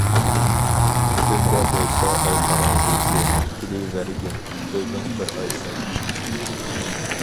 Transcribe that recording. تۈندە بولسا ئاي قاراڭغۇسى، كېلىۋەرگىن، ئۆزۈڭ بىر ئايسەن.